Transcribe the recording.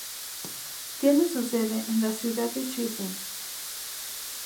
Tiene su sede en la ciudad de Szczecin.